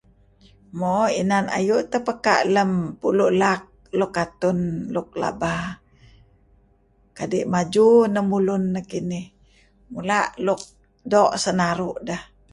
Mo inan ayu' teh luk pekaa lem pulu' laak luk patun'